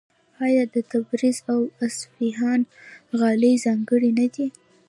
آیا د تبریز او اصفهان غالۍ ځانګړې نه دي؟